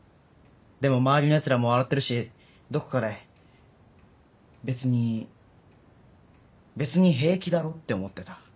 でも周りのヤツらも笑ってるしどこかで別に別に平気だろって思ってた。